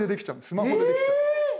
スマホでできちゃう。